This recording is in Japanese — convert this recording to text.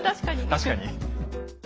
確かに。